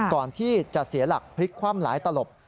ก่อนที่จะเสียหลักพลิกคว่ำหลายตลบ